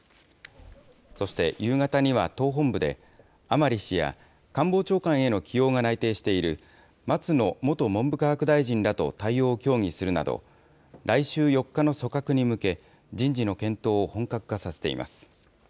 そして夕方には党本部で、甘利氏や官房長官への起用が内定している、松野元文部科学大臣らと対応を協議するなど、来週４日の組閣に向け、人事の検討を本格化させています。